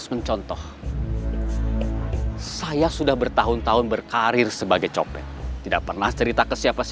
minum tahu jali kartu improvement asap